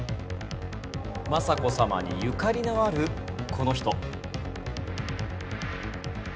雅子さまにゆかりのあるこの人。